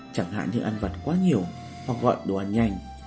chẳng hạn như ăn vặt quá nhiều hoặc gọi đồ ăn nhanh